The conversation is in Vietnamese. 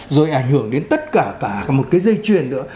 rồi ảnh hưởng đến tất cả cả một cái dây chuyền nữa